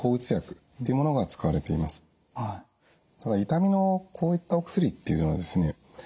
痛みのこういったお薬っていうのはですね